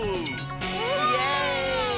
イエーイ！